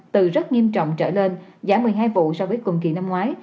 từ rất nghiêm trọng trở lên giảm một mươi hai vụ so với cùng kỳ năm ngoái